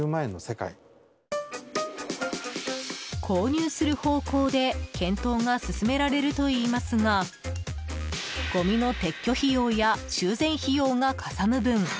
購入する方向で検討が進められるといいますがごみの撤去費用や修繕費用がかさむ分